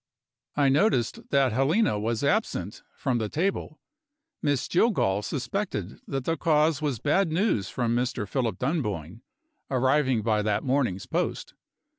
I noticed that Helena was absent from the table. Miss Jillgall suspected that the cause was bad news from Mr. Philip Dunboyne, arriving by that morning's post.